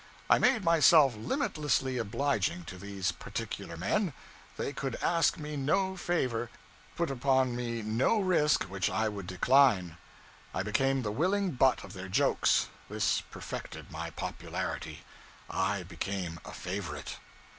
I made myself limitlessly obliging to these particular men; they could ask me no favor, put upon me no risk, which I would decline. I became the willing butt of their jokes; this perfected my popularity; I became a favorite.